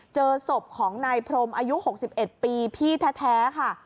เจอศพของนายพรมอายุ๖๑ปีพี่แท้ค่ะ